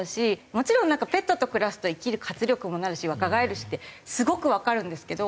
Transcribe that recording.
もちろんペットと暮らすと生きる活力にもなるし若返るしってすごくわかるんですけど。